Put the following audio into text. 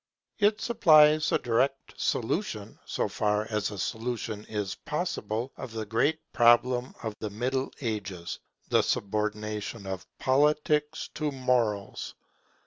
It supplies a direct solution, so far as a solution is possible, of the great problem of the Middle Ages, the subordination of Politics to Morals.